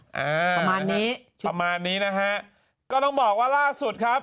อ่าประมาณนี้ประมาณนี้นะฮะก็ต้องบอกว่าล่าสุดครับ